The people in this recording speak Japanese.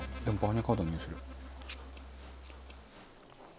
でも。